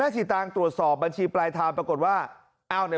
ฟังคุณแม่สีตางค์หน่อยฮะ